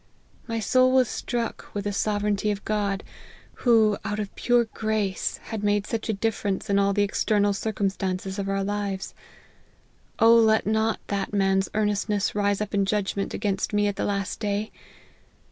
My soul was struck with the sovereignty of God, who, out of pure grace, had made such a difference in all the external circumstances of our lives. O let not that man's earnestness rise up in judgment against me at the last day